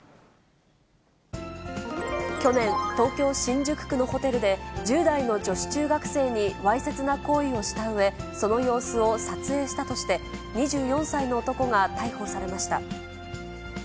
去年、東京・新宿区のホテルで、１０代の女子中学生にわいせつな行為をしたうえ、その様子を撮影したとして、２４歳の男が逮捕されました。